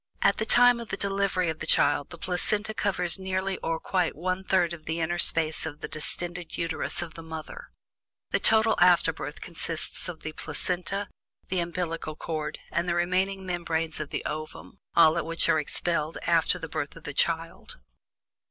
At the time of the delivery of the child the Placenta covers nearly or quite one third of the inner space of the distended Uterus of the mother. The total "afterbirth" consists of the Placenta, the umbillical cord, and the remaining membranes of the ovum, all of which are expelled after the birth of the child.